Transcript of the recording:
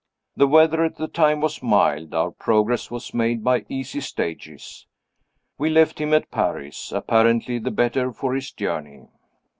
The weather at the time was mild; our progress was made by easy stages. We left him at Paris, apparently the better for his journey."